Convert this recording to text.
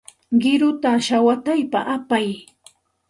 Qiruta shawataypa apay.